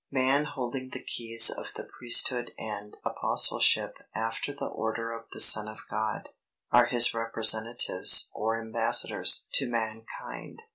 Man holding the keys of the Priesthood and Apostleship after the order of the Son of God, are his representatives, or embassadors, to mankind.